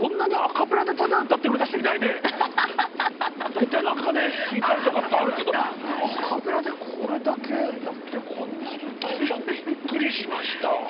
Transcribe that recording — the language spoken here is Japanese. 大体何かね弾いたりとかってあるけどアカペラでこれだけやってこんなに歌えちゃうビックリしました。